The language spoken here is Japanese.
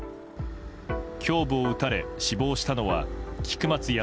胸部を撃たれ死亡したのは菊松安